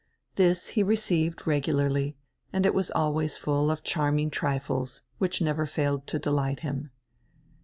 This he received regularly and it was always full of charming trifles, which never failed to delight him.